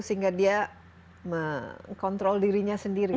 sehingga dia mengontrol dirinya sendiri